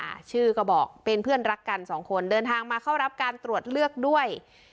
อ่าชื่อก็บอกเป็นเพื่อนรักกันสองคนเดินทางมาเข้ารับการตรวจเลือกด้วย